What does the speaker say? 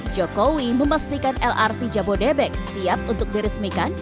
jokowi memastikan lrt jabodebek siap untuk diresmikan